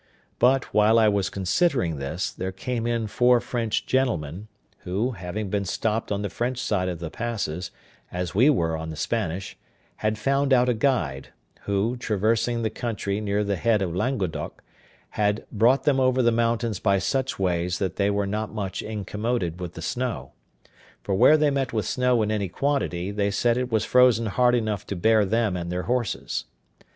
But, while I was considering this, there came in four French gentlemen, who, having been stopped on the French side of the passes, as we were on the Spanish, had found out a guide, who, traversing the country near the head of Languedoc, had brought them over the mountains by such ways that they were not much incommoded with the snow; for where they met with snow in any quantity, they said it was frozen hard enough to bear them and their horses.